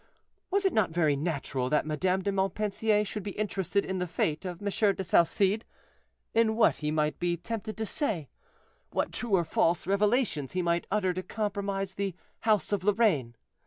Was it not very natural that Madame de Montpensier should be interested in the fate of M. de Salcede, in what he might be tempted to say, what true or false revelations he might utter to compromise the house of Lorraine?